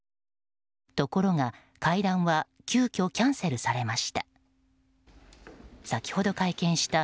ところが会談は急きょキャンセルされました。